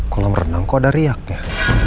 kalau merenang kok ada riaknya